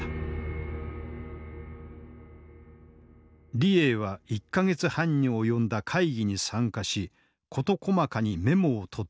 李鋭は１か月半に及んだ会議に参加し事細かにメモを取っていた。